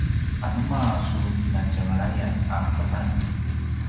anema su kinatjenglay a keman?